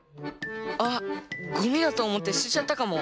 あっゴミだとおもってすてちゃったかも。